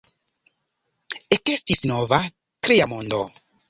Ekestis nova, "tria mondo".